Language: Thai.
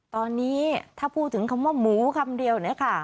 ตอนนี้ถ้าพูดถึงคำว่าหมูคำเดียวเนี่ยค่ะ